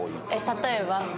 例えば？